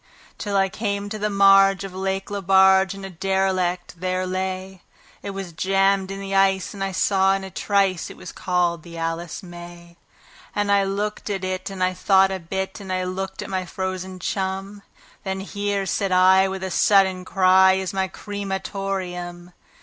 Till I came to the marge of Lake Lebarge, and a derelict there lay; It was jammed in the ice, but I saw in a trice it was called the "Alice May". And I looked at it, and I thought a bit, and I looked at my frozen chum; Then "Here", said I, with a sudden cry, "is my cre ma tor eum."